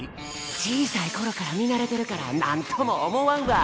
小さい頃から見慣れてるからなんとも思わんわ。